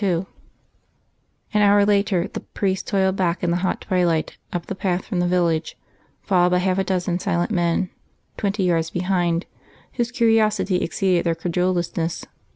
II An hour later the priest toiled back in the hot twilight up the path from the village, followed by half a dozen silent men, twenty yards behind, whose curiosity exceeded their credulousness.